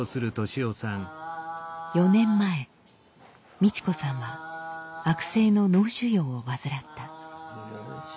４年前ミチ子さんは悪性の脳腫瘍を患った。